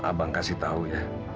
abang kasih tahu ya